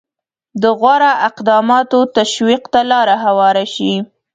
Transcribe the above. د غوره اقداماتو تشویق ته لاره هواره شي.